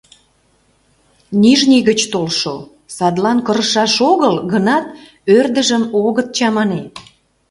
Нижний гыч толшо, садлан кырышаш огыл гынат, ӧрдыжым огыт чамане.